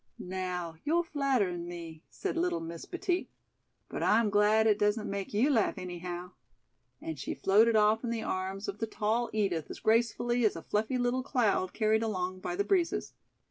"Now, you're flattering me," said little Miss Petit, "but I'm glad it doesn't make you laugh, anyhow," and she floated off in the arms of the tall Edith as gracefully as a fluffy little cloud carried along by the breezes.